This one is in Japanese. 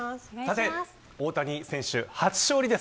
大谷選手、初勝利です。